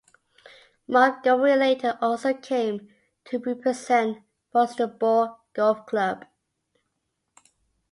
Montgomery later also came to represent Falsterbo Golf Club.